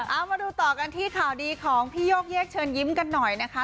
เอามาดูต่อกันที่ข่าวดีของพี่โยกเยกเชิญยิ้มกันหน่อยนะคะ